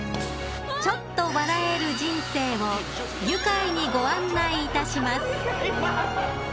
［ちょっと笑える人生を愉快にご案内いたします］